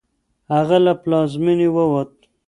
هغه له پلازمېنې ووت.